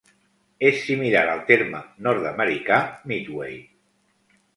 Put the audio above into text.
És similar al terme nord-americà "midway".